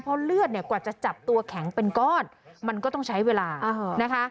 เพราะเลือดเนี่ยกว่าจะจับตัวแข็งเป็นก้อนมันก็ต้องใช้เวลานะคะ